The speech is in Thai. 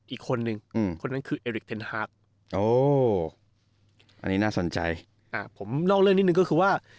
อีกคนนึงอืมคนนั้นคืออันนี้น่าสนใจอ่ะผมนอกเล่อนิดหนึ่งก็คือว่า